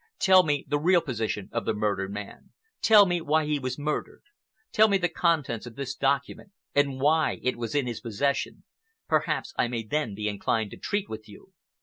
Tell me the real position of the murdered man? Tell me why he was murdered? Tell me the contents of this document and why it was in his possession? Perhaps I may then be inclined to treat with you."